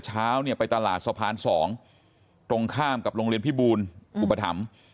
เช้าเนี่ยไปตลาดสะพาน๒ตรงข้ามกับโรงเรียนพิบูลอุปถัมภ์